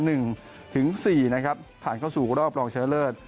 เอา๑๔ผ่านเข้าสู่รอบลองเชิดเลิศ